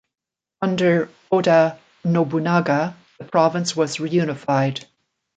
Under Oda Nobunaga, the province was reunified.